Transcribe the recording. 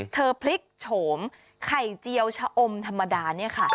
พลิกโฉมไข่เจียวชะอมธรรมดาเนี่ยค่ะ